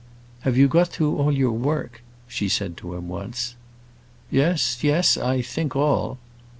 "Have you got through all your work?" she said to him once. "Yes, yes; I think all."